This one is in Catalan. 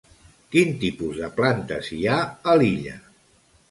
Quin tipus de plantes hi ha a l'illa?